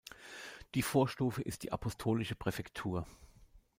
Die Vorstufe ist die Apostolische Präfektur.